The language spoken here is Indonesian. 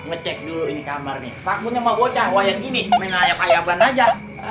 wah yang ini main layak ayaban aja